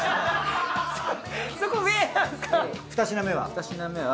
２品目は？